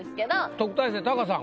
特待生タカさん